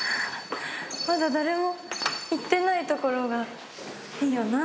まだ誰も行ってない所がいいよな。